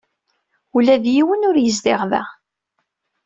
Ula d yiwen ur yezdiɣ da.